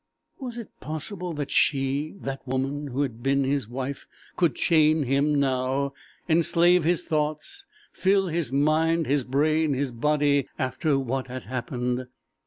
Was it possible that she that woman who had been his wife could chain him now, enslave his thoughts, fill his mind, his brain, his body, _after what had happened?